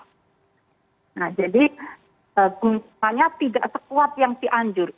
nah jadi gempanya tidak sekuat yang cianjur